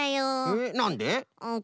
えっなんで？